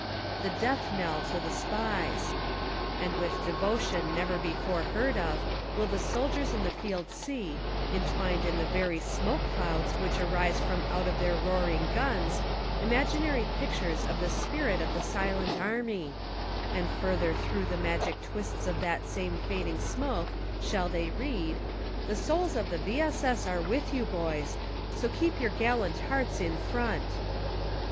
— the death knell to SPIES. And with devotion never before heard of will the soldiers in the field see, entwined in the very smoke clouds which arise from out of thier roaring guns, imaginary pictures of the spirit of the silent army : And further through the magic twists of that same fading smoke shall they read : The souls of the V. S. S. are with you, boys ; so keep your gallant hearts in front